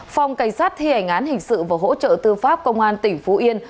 phòng cảnh sát thi hành án hình sự và hỗ trợ tư pháp công an tp hcm